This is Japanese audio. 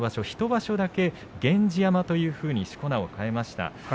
１場所だけ源氏山としこ名を変えました。